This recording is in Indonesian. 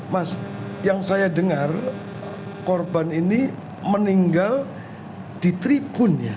mas yang saya dengar korban ini meninggal di tribun ya